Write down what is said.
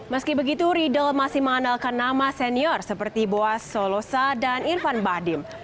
meski begitu riedel masih mengandalkan nama senior seperti boas solosa dan irfan bahdim